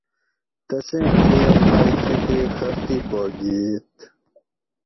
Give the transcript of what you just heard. تسیں کیر مئی کۤتیک خختی پا گِھئیت